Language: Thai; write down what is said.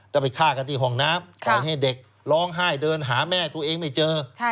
ไปฆ่ากันที่ห้องน้ำปล่อยให้เด็กร้องไห้เดินหาแม่ตัวเองไม่เจอ